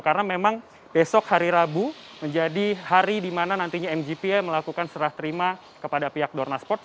karena memang besok hari rabu menjadi hari di mana nantinya mgps melakukan serah terima kepada pihak dornasport